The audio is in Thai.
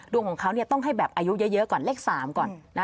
ดวงของเขาต้องให้แบบอายุเยอะก่อนเลข๓ก่อน